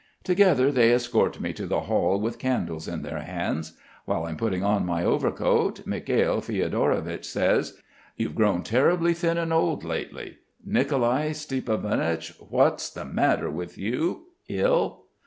Together they escort me to the hall with candles in their hands. While I'm putting on my overcoat, Mikhail Fiodorovich says: "You've grown terribly thin and old lately. Nicolai Stiepanovich. What's the matter with you? Ill?